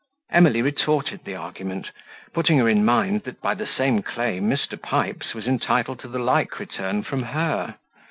Emily retorted the argument, putting her in mind, that by the same claim Mr. Pipes was entitled to the like return from her.